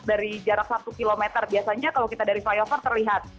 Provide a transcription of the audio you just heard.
dari jarak satu km biasanya kalau kita dari flyover terlihat